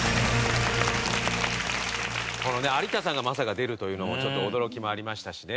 有田さんがまさか出るというのもちょっと驚きもありましたしね。